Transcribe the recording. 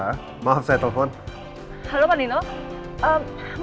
kalian harus tentang penstinfan di tengah ini